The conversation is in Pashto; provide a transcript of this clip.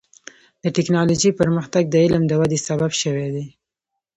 د ټکنالوجۍ پرمختګ د علم د ودې سبب شوی دی.